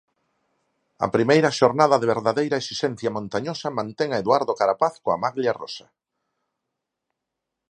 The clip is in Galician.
A primeira xornada de verdadeira esixencia montañosa mantén a Eduardo Carapaz coa maglia rosa.